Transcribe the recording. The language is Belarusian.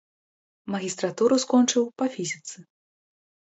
Магістратуру скончыў па фізіцы.